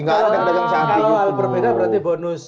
kalau berbeda berarti bonus